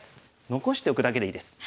残しておくだけでいいです。